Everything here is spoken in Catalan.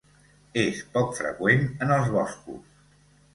És poc freqüent en els boscos.